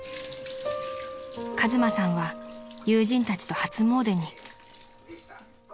［和真さんは友人たちと初詣に］